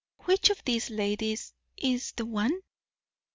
Which of these ladies is the one?